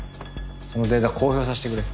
そのデータ公表させてくれ。